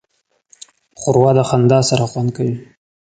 ښوروا د خندا سره خوند کوي.